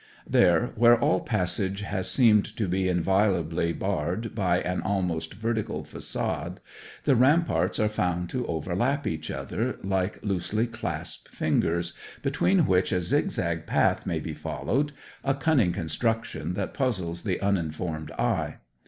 There, where all passage has seemed to be inviolably barred by an almost vertical facade, the ramparts are found to overlap each other like loosely clasped fingers, between which a zigzag path may be followed a cunning construction that puzzles the uninformed eye.